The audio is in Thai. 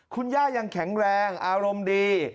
คุณย่ายังแข็งแรงอารมณ์ดี